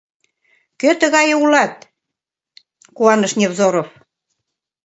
Кӧ тугае улыт? — куаныш Невзоров.